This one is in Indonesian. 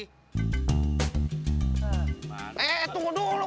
eh tunggu dulu